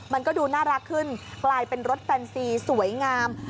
มันก็ดูน่ารักขึ้นกลายเป็นรถแฟนซีสวยงาม